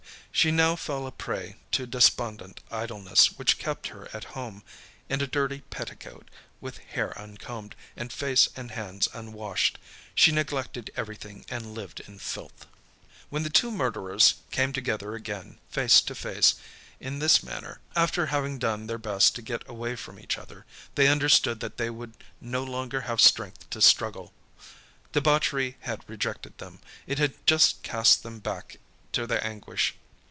She now fell a prey to despondent idleness which kept her at home, in a dirty petticoat, with hair uncombed, and face and hands unwashed. She neglected everything and lived in filth. When the two murderers came together again face to face, in this manner, after having done their best to get away from each other, they understood that they would no longer have strength to struggle. Debauchery had rejected them, it had just cast them back to their anguish.